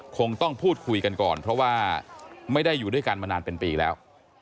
คงต้องพูดคุยกันก่อนเพราะว่าไม่ได้อยู่ด้วยกันมานานเป็นปีแล้ว